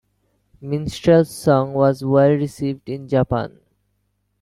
"Minstrel's Song" was well received in Japan.